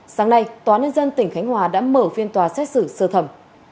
sáng nay tòa nhân dân tỉnh khánh hòa đã mở phiên tòa xét xử sơ thẩm